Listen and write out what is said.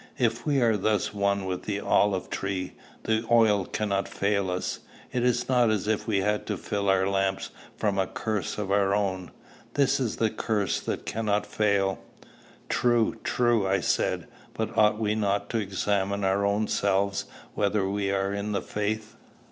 If we are thus one with the olive tree, the oil cannot fail us. It is not as if we had to fill our lamps from a cruse of our own. This is the cruse that cannot fail." "True, true," I said; "but ought we not to examine our own selves whether we are in the faith?"